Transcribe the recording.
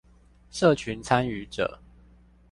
社群參與者